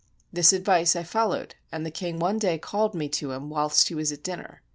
This advice I followed, and the king one day called me to him whilst he was at dinner.